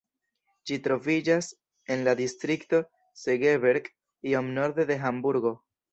Ĝi troviĝas en la distrikto Segeberg, iom norde de Hamburgo.